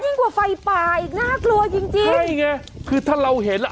กว่าไฟป่าอีกน่ากลัวจริงจริงใช่ไงคือถ้าเราเห็นอ่ะ